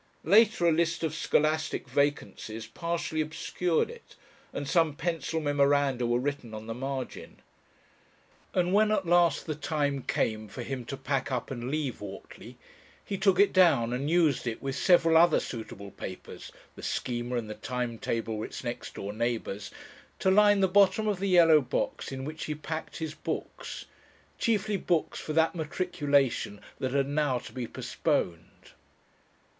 Later a list of scholastic vacancies partially obscured it, and some pencil memoranda were written on the margin. And when at last the time came for him to pack up and leave Whortley, he took it down and used it with several other suitable papers the Schema and the time table were its next door neighbours to line the bottom of the yellow box in which he packed his books: chiefly books for that matriculation that had now to be postponed.